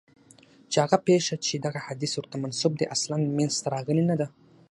چي هغه پېښه چي دغه حدیث ورته منسوب دی اصلاً منځته راغلې نه ده.